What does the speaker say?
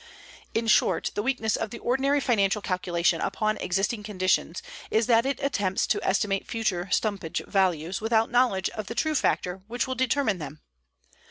In short, the weakness of the ordinary financial calculation upon existing conditions is that it attempts to estimate future stumpage values without knowledge of the true factor which will determine them.